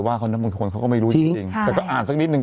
บางคนเขาก็ไม่รู้จริงแต่ก็อ่านสักนิดนึ